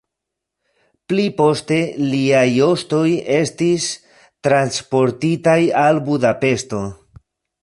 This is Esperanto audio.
Pli poste liaj ostoj estis transportitaj al Budapeŝto.